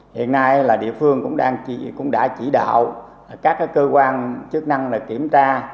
hiện nay là địa phương cũng đã chỉ đạo các cái cơ quan chức năng này kiểm tra